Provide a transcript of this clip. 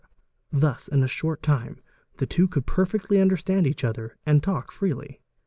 Thus in a short time the two could perfectly understand each other and talk freely.